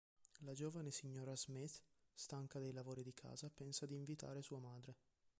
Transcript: La giovane signora Smith, stanca dei lavori di casa, pensa di invitare sua madre.